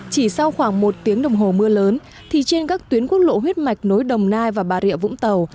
chỉ sau khoảng một tiếng đồng hồ mưa lớn thì trên các tuyến quốc lộ huyết mạch nối đồng nai và bà rịa vũng tàu